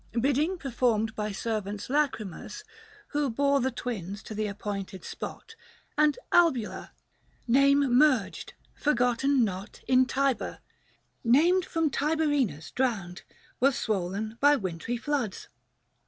Bidding performed by servants lachrymous, Who bore the twins to the appointed spot 400 And Albula, — name merged, forgotten not In Tiber, named from Tiberinus drowned, — Was swollen by wintry floods.